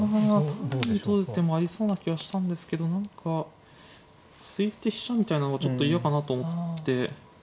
単に取る手もありそうな気はしたんですけど何か突いて飛車みたいなのがちょっと嫌かなと思って。